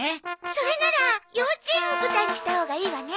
それなら幼稚園を舞台にしたほうがいいわね。